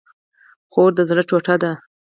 خور د زړه ټوټه ده